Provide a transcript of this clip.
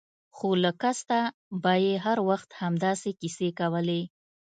خو له کسته به يې هر وخت همداسې کيسې کولې.